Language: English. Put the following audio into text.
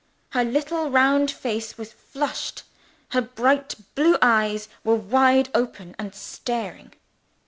Her little round face was flushed; her bright blue eyes were wide open and staring.